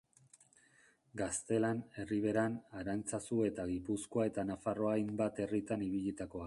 Gaztelan, Erriberan, Arantzazu eta Gipuzkoa eta Nafarroa hainbat herritan ibilitakoa.